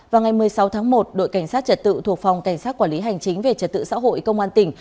vào ngày một mươi sáu tháng một đội cảnh sát trật tự thuộc phòng cảnh sát quản lý hành chính về trật tự xã hội công an tỉnh